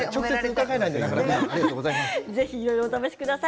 いろいろお試しください。